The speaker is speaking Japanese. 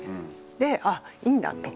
で「あいいんだ」と。